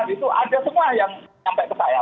itu ada semua yang nyampe ke saya